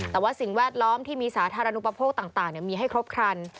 แต่ว่าสิ่งแวดล้อมที่มีสาธารณุปโภคต่างมีให้ครบครัน